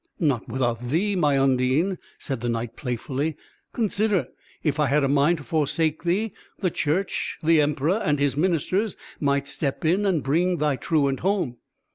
"Not without thee, my Undine," said the Knight, playfully; "consider, if I had a mind to forsake thee, the Church, the Emperor, and his ministers might step in, and bring thy truant home."